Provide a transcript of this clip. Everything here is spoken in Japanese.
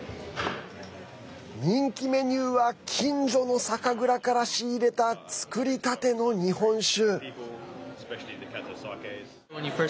人気メニューは近所の酒蔵から仕入れた造りたての日本酒。